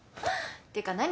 っていうか何？